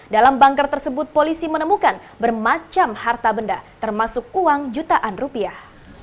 dalam bunker tersebut polisi menemukan bermacam harta benda termasuk uang jutaan rupiah